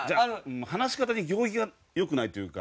話し方の行儀がよくないというか。